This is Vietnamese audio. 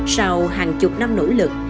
sau hàng chục năm nỗ lực